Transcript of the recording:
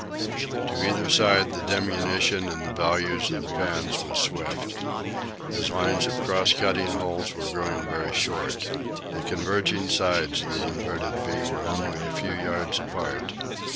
To either side the diminution in the values of the pans was swift. His lines of cross cutting holes were growing very short. The converging sides of the inverted "V" were only a few yards apart.